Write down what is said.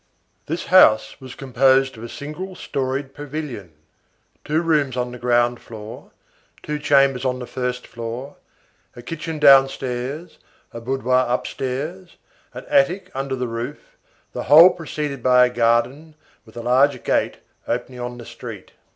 This house was composed of a single storied pavilion; two rooms on the ground floor, two chambers on the first floor, a kitchen downstairs, a boudoir upstairs, an attic under the roof, the whole preceded by a garden with a large gate opening on the street.